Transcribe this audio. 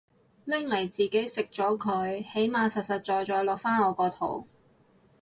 拎嚟自己食咗佢起碼實實在在落返我個肚